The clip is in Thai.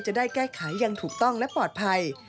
จะได้แก้ไขอย่างถูกต้องและปลอดภัย